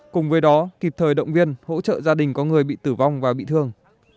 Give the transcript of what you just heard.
cùng với đó kịp thời động viên hỗ trợ gia đình có người bị tử vong và bị thương